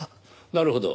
なるほど。